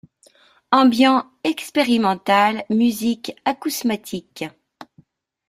Ambient expérimental, musique acousmatique.